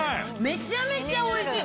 めちゃめちゃおいしい！